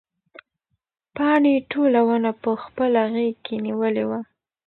پاڼې ټوله ونه په خپله غېږ کې نیولې وه.